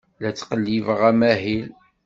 La ttqellibeɣ amahil.